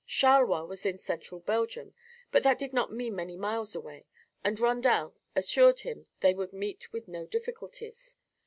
Charleroi was in central Belgium, but that did not mean many miles away and Rondel assured him they would meet with no difficulties.